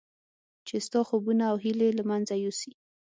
چې ستا خوبونه او هیلې له منځه یوسي.